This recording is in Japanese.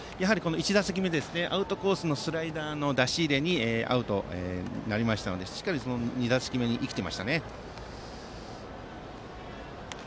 １打席目、アウトコースのスライダーの出し入れにアウトになりましたのでしっかり２打席目には生かしてきましたね。